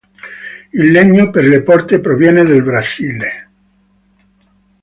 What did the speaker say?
Il legno per le porte proviene dal Brasile.